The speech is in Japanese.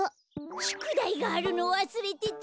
しゅくだいがあるのわすれてた！